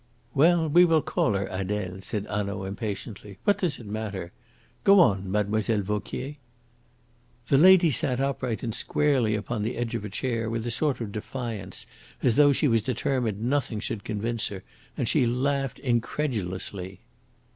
"Well, we will call her Adele," said Hanaud impatiently. "What does it matter? Go on, Mademoiselle Vauquier." "The lady sat upright and squarely upon the edge of a chair, with a sort of defiance, as though she was determined nothing should convince her, and she laughed incredulously."